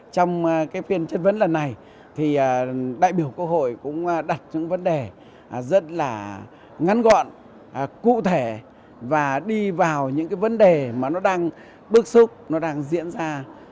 trong phiên chất vấn lần này thì đại biểu quốc hội cũng đặt những vấn đề rất là ngắn gọn cụ thể và đi vào những cái vấn đề mà nó đang bức xúc nó đang diễn ra